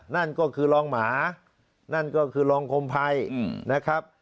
นั่นก็คือรองหมานั่นก็คือรองคมภัยนะครับ